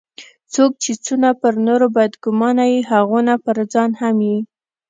څوک چي څونه پر نورو بد ګومانه يي؛ هغونه پرځان هم يي.